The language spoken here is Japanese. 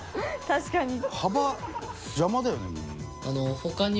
確かに。